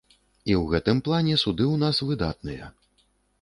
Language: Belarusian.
І ў гэтым плане суды ў нас выдатныя.